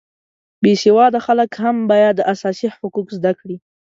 بې سواده خلک هم باید اساسي حقوق زده کړي